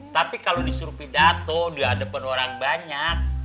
tapi kalau disuruh pidato di hadapan orang banyak